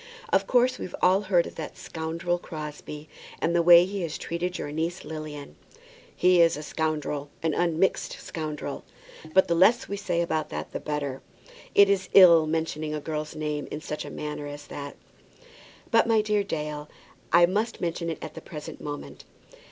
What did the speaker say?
Of course we've all heard of that scoundrel Crosbie, and the way he has treated your niece Lilian." "He is a scoundrel, an unmixed scoundrel. But the less we say about that the better. It is ill mentioning a girl's name in such a matter as that." "But, my dear Dale, I must mention it at the present moment.